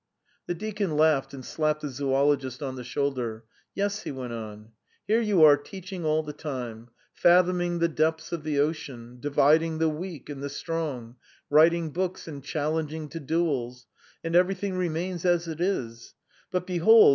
The deacon laughed and slapped the zoologist on the shoulder. "Yes ..." he went on; "here you are teaching all the time, fathoming the depths of the ocean, dividing the weak and the strong, writing books and challenging to duels and everything remains as it is; but, behold!